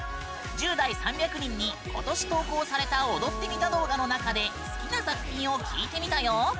１０代３００人に、今年投稿された踊ってみた動画の中で好きな作品を聞いてみたよ。